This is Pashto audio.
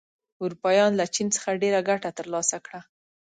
اروپایان له چین څخه ډېره ګټه تر لاسه کړه.